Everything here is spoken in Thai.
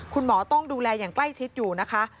คุณหมอต้องดูแลอย่างใกล้ชิดอยู่นะคะ